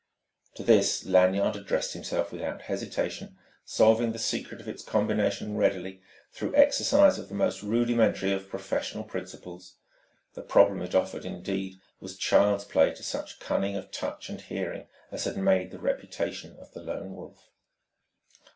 To this Lanyard addressed himself without hesitation, solving the secret of its combination readily through exercise of the most rudimentary of professional principles. The problem it offered, indeed, was child's play to such cunning of touch and hearing as had made the reputation of the Lone Wolf.